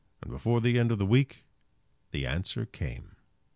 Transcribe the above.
And before the end of the week the answer came.